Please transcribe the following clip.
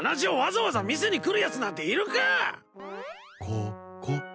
ここ。